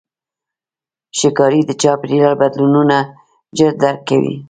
ښکاري د چاپېریال بدلونونه ژر درک کوي.